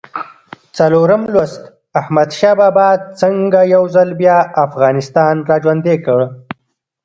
څلورم لوست: احمدشاه بابا څنګه یو ځل بیا افغانستان را ژوندی کړ؟